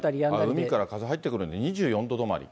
海から風入ってくるので、２４度止まり。